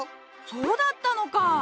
そうだったのか。